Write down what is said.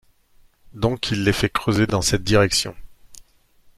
Donc, il les fait creuser dans cette direction.